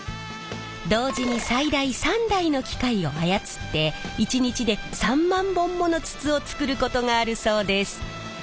同時に最大３台の機械を操って１日で３万本もの筒を作ることがあるそうです。